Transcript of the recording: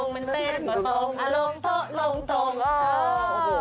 มันเป็นกว่าโตมอลงโตลงโตม